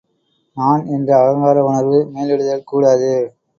நான் என்ற அகங்கார உணர்வு மேலிடுதல் கூடாது.